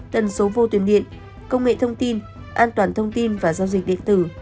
tần số vô tuyến điện công nghệ thông tin an toàn thông tin và giao dịch điện tử